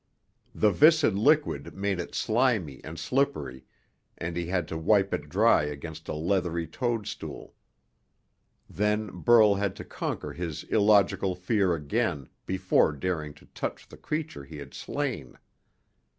The viscid liquid made it slimy and slippery, and he had to wipe it dry against a leathery toadstool. Then Burl had to conquer his illogical fear again before daring to touch the creature he had slain.